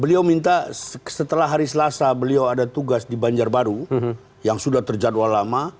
beliau minta setelah hari selasa beliau ada tugas di banjarbaru yang sudah terjadwal lama